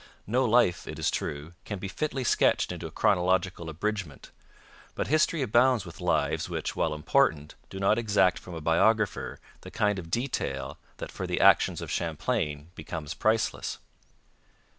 No life, it is true, can be fitly sketched in a chronological abridgment, but history abounds with lives which, while important, do not exact from a biographer the kind of detail that for the actions of Champlain becomes priceless.